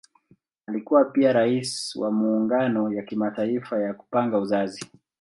Alikuwa pia Rais wa Muungano ya Kimataifa ya Kupanga Uzazi.